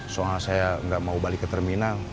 soalnya saya nggak mau balik ke terminal